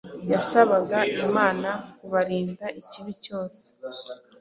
yasabaga Imana kubarinda ikibi cyose